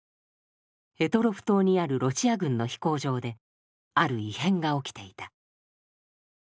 択捉島にあるロシア軍の飛行場である異変が起きていた。